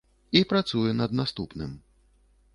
І працуе над наступным.